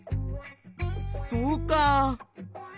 そうか。